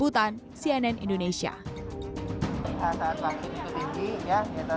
untuk menghasilkan vaksinasi vaksinasi ke masyarakat